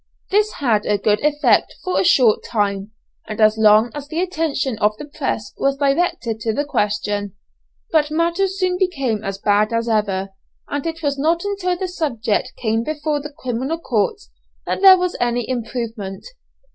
This had a good effect for a short time, and as long as the attention of the press was directed to the question, but matters soon became as bad as ever, and it was not until the subject came before the criminal courts that there was any improvement.